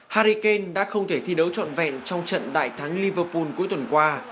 harry kane đã không thể thi đấu trọn vẹn trong trận đại thắng liverpool cuối tuần qua